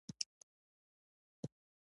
د هغه قانون رعایت په موخه